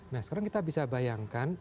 nah sekarang kita bisa bayangkan